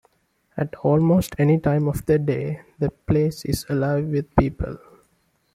At almost any time of the day, the place is alive with people.